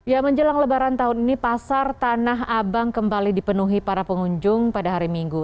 ya menjelang lebaran tahun ini pasar tanah abang kembali dipenuhi para pengunjung pada hari minggu